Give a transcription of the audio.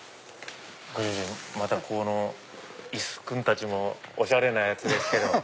ご主人この椅子君たちもおしゃれなやつですけど。